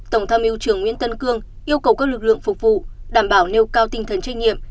tổng tham yêu trường nguyễn tân cương yêu cầu các lực lượng phục vụ đảm bảo nêu cao tinh thần trách nhiệm